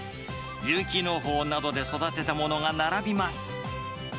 有機農法などで育てたものが並びます。